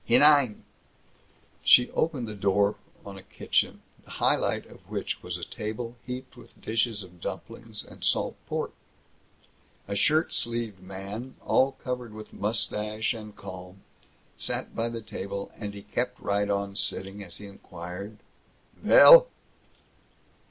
"Hinein!" She opened the door on a kitchen, the highlight of which was a table heaped with dishes of dumplings and salt pork. A shirt sleeved man, all covered with mustache and calm, sat by the table, and he kept right on sitting as he inquired: "Vell?"